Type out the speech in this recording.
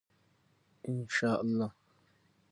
ان شاء الله.